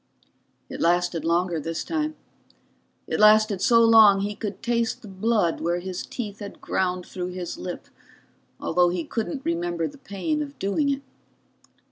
It lasted longer this time. It lasted so long he could taste the blood where his teeth had ground through his lip, although he couldn't remember the pain of doing it.